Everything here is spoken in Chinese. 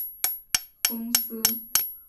餐饮股份有限公司